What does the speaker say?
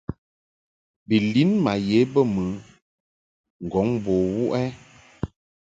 Ba lin ma ye bə mɨ ŋgɔŋ bo wuʼ ɛ ?